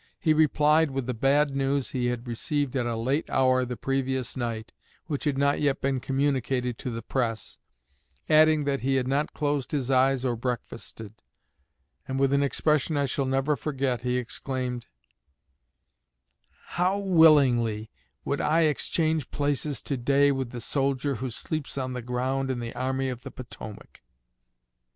He replied with the bad news he had received at a late hour the previous night, which had not yet been communicated to the press, adding that he had not closed his eyes or breakfasted; and, with an expression I shall never forget, he exclaimed, 'How willingly would I exchange places today with the soldier who sleeps on the ground in the Army of the Potomac!'"